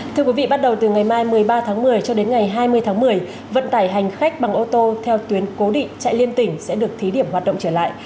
thưa quý vị bắt đầu từ ngày mai một mươi ba tháng một mươi cho đến ngày hai mươi tháng một mươi vận tải hành khách bằng ô tô theo tuyến cố định chạy liên tỉnh sẽ được thí điểm hoạt động trở lại